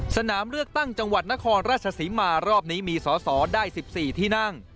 สนามเลือกตั้งจังหวัดนครราชศรีมารอบนี้มีสอสอได้๑๔ที่นั่ง